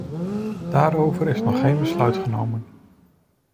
Daarover is nog geen besluit genomen.